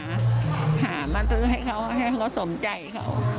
หามาซื้อให้เขาให้เขาสมใจเขา